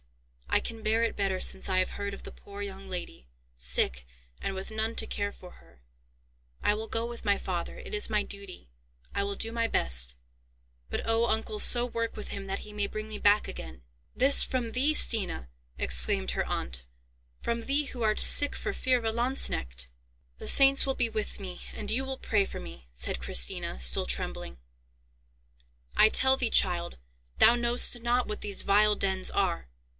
"I can bear it better since I have heard of the poor young lady, sick and with none to care for her. I will go with my father; it is my duty. I will do my best; but oh! uncle, so work with him that he may bring me back again." "This from thee, Stina!" exclaimed her aunt; "from thee who art sick for fear of a lanzknecht!" "The saints will be with me, and you will pray for me," said Christina, still trembling. "I tell thee, child, thou knowst not what these vile dens are.